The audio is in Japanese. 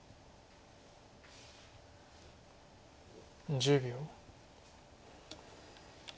１０秒。